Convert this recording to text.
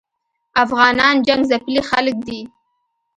افغانان جنګ ځپلي خلګ دي